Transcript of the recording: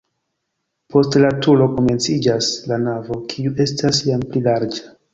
Post la turo komenciĝas la navo, kiu estas jam pli larĝa.